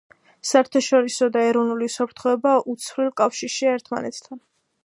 საერთაშორისო და ეროვნული უსაფრთხოება უცვლელ კავშირშია ერთმანეთთან.